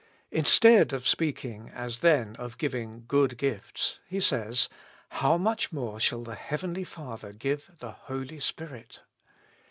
Instead of speaking, as then, of giving good gifts, He says, " How much more shall the heavenly Father give the Holy Spirit?